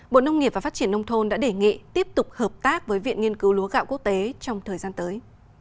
bộ nông nghiệp và phát triển nông thôn đã đề nghị tiếp tục hợp tác với viện nghiên cứu lúa gạo quốc tế trong thời gian tới